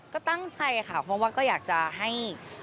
ก็ตั้งใจค่ะเพราะว่าก็อยากจะให้